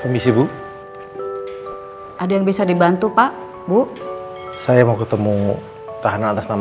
mari ikut saya ke ruang kunjungan